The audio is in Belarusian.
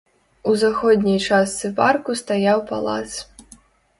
У заходняй частцы парку стаяў палац.